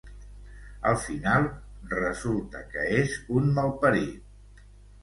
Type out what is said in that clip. Al final, resulta que és un malparit.